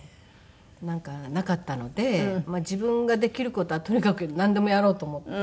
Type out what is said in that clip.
なんかなかったので自分ができる事はとにかくなんでもやろうと思って。